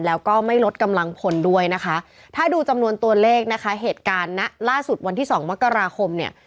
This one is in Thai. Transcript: แล้วก็ไม่ลดกำลังพลด้วยนะคะถ้าดูจำนวนตัวเลขนะคะเหตุการณ์ณล่าสุดวันที่สองมกราคมเนี่ย